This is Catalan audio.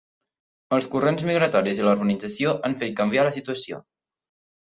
Els corrents migratoris i la urbanització han fet canviar la situació.